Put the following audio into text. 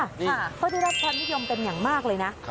เขาได้รับความนิยมเป็นอย่างมากเลยนะ